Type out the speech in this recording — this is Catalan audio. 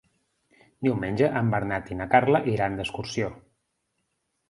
Diumenge en Bernat i na Carla iran d'excursió.